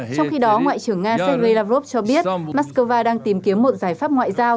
trong khi đó ngoại trưởng nga sergei lavrov cho biết mắc cơ va đang tìm kiếm một giải pháp ngoại giao